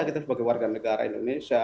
kita sebagai warga negara indonesia